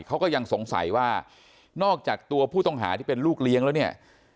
เขาก็ยังสงสัยว่านอกจากตัวผู้ต้องหาที่เป็นลูกเลี้ยงแล้วเนี่ย